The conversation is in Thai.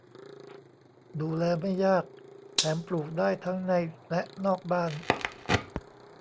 ดูแลไม่ยาก แถมปลูกได้ทั้งในและนอกบ้าน